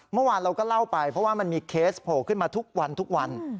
เมื่อวานเราก็เล่าไปเพราะว่ามันมีเคสโผล่ขึ้นมาทุกวันทุกวัน